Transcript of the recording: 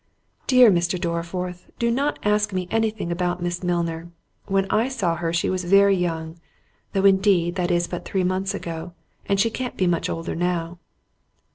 "Dear Mr. Dorriforth, do not ask me any thing about Miss Milner—when I saw her she was very young: though indeed that is but three months ago, and she can't be much older now."